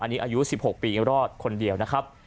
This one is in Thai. อันนี้อายุ๑๖ปีรอดคนเดียวนะครับ